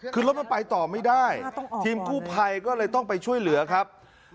คือรถมันไปต่อไม่ได้ทีมกู้ภัยก็เลยต้องไปช่วยเหลือครับ